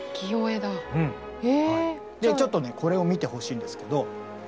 ちょっとねこれを見てほしいんですけど。